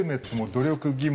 努力義務。